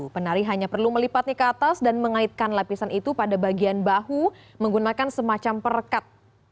penari hanya perlu melipatnya ke atas dan mengaitkan lapisan itu pada bagian bahu menggunakan semacam perekat